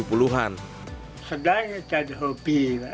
sedang jadi hobi